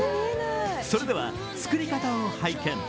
それでは、作り方を拝見。